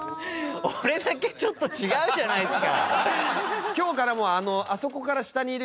俺だけちょっと違うじゃないっすか！